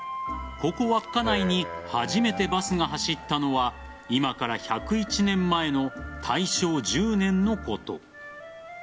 ここ、稚内に初めてバスが走ったのは今から１０１年前の大正１０年のこと。